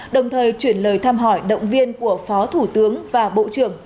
đồng thời chuyển lời thăm hỏi động viên của phó thủ tướng và bộ trưởng